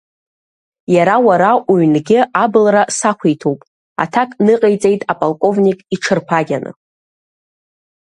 Иара уара уҩнгьы абылра сақәиҭуп, аҭак ныҟаиҵеит аполковник иҽырԥагьаны.